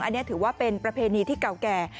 อันนี้ถือว่าเป็นประเพณีที่เก่าแก่